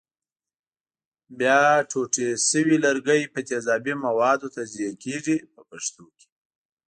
بیا ټوټې شوي لرګي په تیزابي موادو تجزیه کېږي په پښتو کې.